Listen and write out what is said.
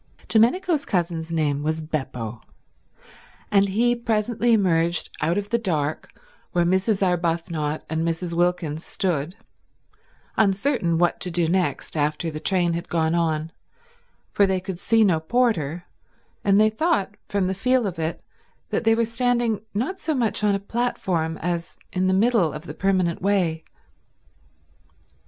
Domenico's cousin's name was Beppo, and he presently emerged out of the dark where Mrs. Arbuthnot and Mrs. Wilkins stood, uncertain what to do next after the train had gone on, for they could see no porter and they thought from the feel of it that they were standing not so much on a platform as in the middle of the permanent way.